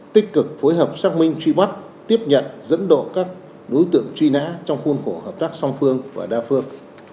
tích cực phối hợp xác minh truy bắt tiếp nhận dẫn độ các đối tượng truy nã trong khuôn khổ hợp tác song phương và đa phương